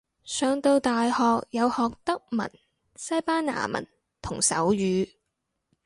上到大學有學德文西班牙文同手語